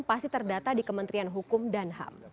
pasti terdata di kementerian hukum dan ham